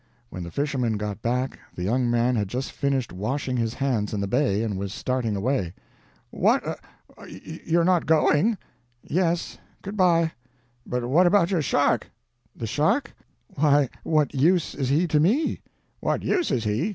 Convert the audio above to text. When the fisherman got back the young man had just finished washing his hands in the bay, and was starting away. "What, you are not going?" "Yes. Good bye." "But what about your shark?" "The shark? Why, what use is he to me?" "What use is he?